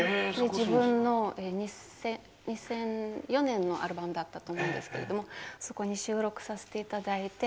自分の２００４年のアルバムだったと思うんですけれどもそこに収録させていただいて。